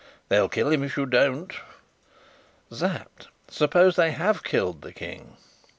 "They'll kill him, if you don't." "Sapt, suppose they have killed the King?"